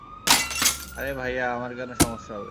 আরে ভাইয়া, আমার কেন সমস্যা হবে?